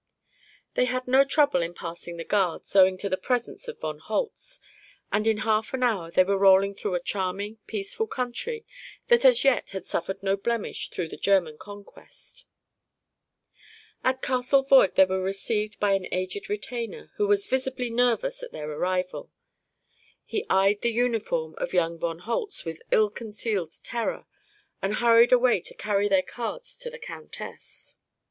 They had no trouble in passing the guards, owing to the presence of von Holtz, and in half an hour they were rolling through a charming, peaceful country that as yet had suffered no blemish through the German conquest. At Castle Voig they were received by an aged retainer who was visibly nervous at their arrival. He eyed the uniform of young von Holtz with ill concealed terror and hurried away to carry their cards to the countess.